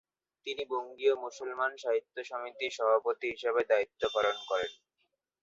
তিনি বঙ্গীয় মুসলমান সাহিত্য সমিতির সভাপতি হিসাবে দায়িত্ব পালন করেন।